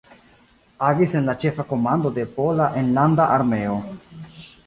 Agis en la Ĉefa Komando de Pola Enlanda Armeo.